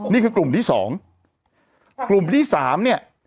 นี่คือกลุ่มที่สองกลุ่มที่สามเนี่ย